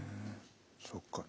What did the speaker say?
そっか。